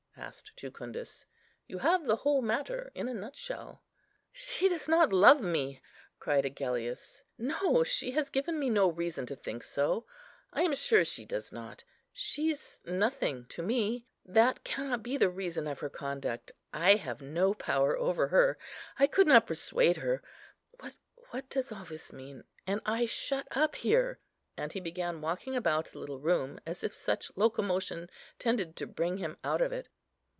asked Jucundus. "You have the whole matter in a nutshell." "She does not love me," cried Agellius; "no, she has given me no reason to think so. I am sure she does not. She's nothing to me. That cannot be the reason of her conduct. I have no power over her; I could not persuade her. What, what does all this mean? and I shut up here?" and he began walking about the little room, as if such locomotion tended to bring him out of it.